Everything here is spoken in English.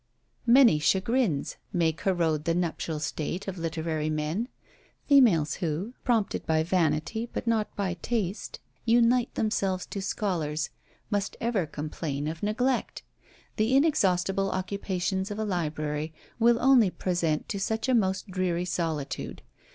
Many chagrins may corrode the nuptial state of literary men. Females who, prompted by vanity, but not by taste, unite themselves to scholars, must ever complain of neglect. The inexhaustible occupations of a library will only present to such a most dreary solitude.